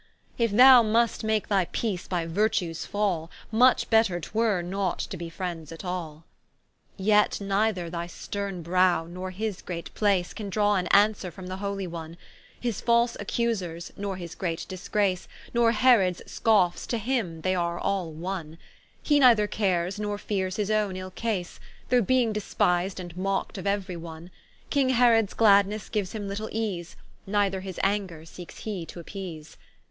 If thou must make thy peace by Virtues fall, Much better 'twere not to be friends at all. Yet neither thy sterne browe, nor his great place, Can draw an answer from the Holy One: His false accusers, nor his great disgrace, Nor Herods scoffes, to him they are all one: He neither cares, nor feares his owne ill case, Though being despis'd and mockt of euery one: King Herods gladnesse giues him little ease, Neither his anger seekes he to appease.